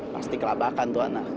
pasti kelabakan tuh anak